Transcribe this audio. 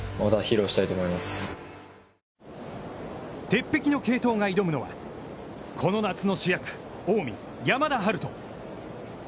「鉄壁の継投」が挑むのはこの夏の主役、近江・山田陽翔。